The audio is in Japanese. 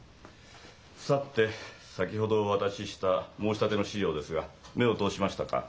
さて先ほどお渡しした申し立ての資料ですが目を通しましたか？